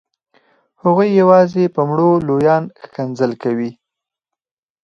هغوی یوازې په مړو لویان ښکنځل کوي.